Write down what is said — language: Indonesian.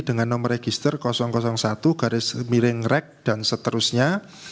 dengan nomor register satu garis miring rek dan seterusnya